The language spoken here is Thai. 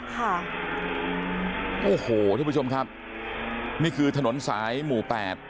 ค่ะโอ้โหทุกผู้ชมครับนี่คือถนนสายหมู่แปด